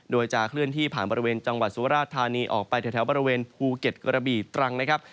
โดยจะเคลื่อนที่ผ่านบริเวณจังหวัดสุราธานีออกไปแถวบริเวณภูเก็ตกระบีตรังนะครับ